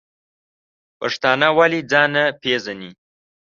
پښتانه ولی ځان نه پیژنی؟